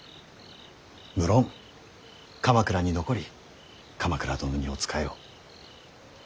無論鎌倉に残り鎌倉殿にお仕えを。